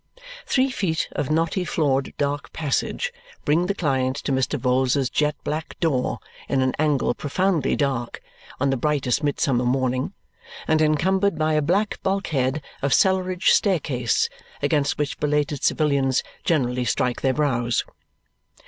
Three feet of knotty floored dark passage bring the client to Mr. Vholes's jet black door, in an angle profoundly dark on the brightest midsummer morning and encumbered by a black bulk head of cellarage staircase against which belated civilians generally strike their brows.